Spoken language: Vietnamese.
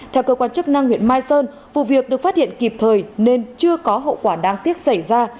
theo cơ quan chức năng huyện mai sơn vụ việc được phát hiện kịp thời nên chưa có hậu quả đáng tiếc xảy ra